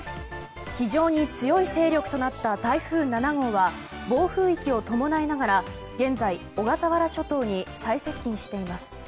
非常に強い勢力となった台風７号は暴風域を伴いながら現在、小笠原諸島に最接近しています。